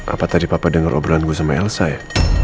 apa tadi papa dengar obrolan gue sama elsa ya